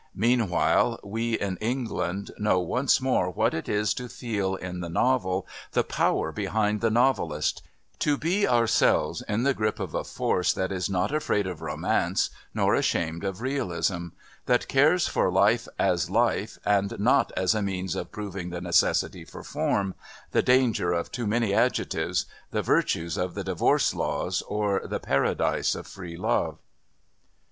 Meanwhile we, in England, know once more what it is to feel, in the novel, the power behind the novelist, to be ourselves in the grip of a force that is not afraid of romance nor ashamed of realism, that cares for life as life and not as a means of proving the necessity for form, the danger of too many adjectives, the virtues of the divorce laws or the paradise of free love.